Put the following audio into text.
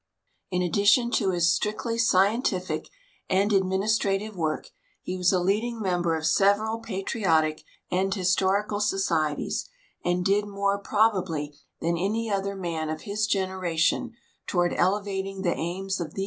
In addition to his strictly scientific and administrative work, he was a lead ing member of several jiatriotic and historical societies and did more ju obably tluin any other man of his generation toward elevating the aims of the.